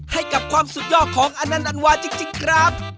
ให้กับความสุดยอดของอนันอันวาจริงครับ